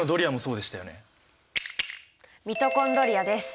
ミトコンドリアです。